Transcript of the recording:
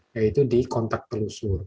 yaitu di kontak pelusur